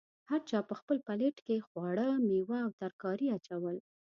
هر چا په خپل پلیټ کې خواړه، میوه او ترکاري اچول.